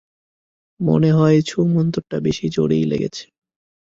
মনে হয় ছু মন্তরটা বেশি জোরেই লেগেছে।